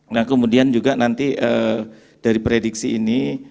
nah kemudian juga nanti dari prediksi ini